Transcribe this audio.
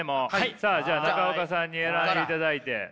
さあじゃあ中岡さんに選んでいただいて。